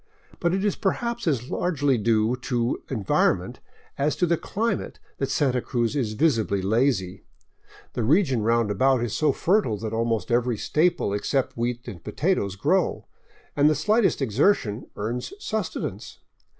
But it is perhaps as largely due to environment as to the climate that Santa Cruz is visibly lazy. The region roundabout is so fertile that almost every staple except wheat and potatoes grow, and the slightest exertion earns sustenance.